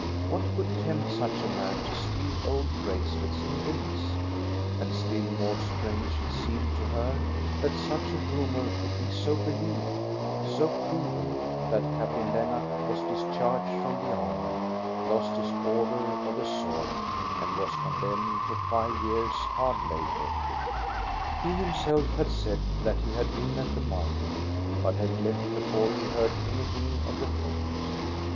What could tempt such a man to steal old bracelets and rings } And still more strange it seemed to her that such a rumor could be so believed, so proven, that Captain Lennart was discharged from the army, lost his order of the Sword, and was condemned to five years' hard labor. He himself had said that he had been at the market, but had left before he heard an)^hing of the theft.